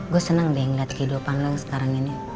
gue senang deh ngeliat kehidupan long sekarang ini